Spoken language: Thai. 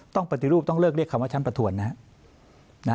ต้องปฏิรูปต้องเลิกเรียกคำว่าชั้นประถวรนะ